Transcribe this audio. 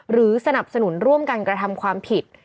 สนับสนุนร่วมกันกระทำความผิด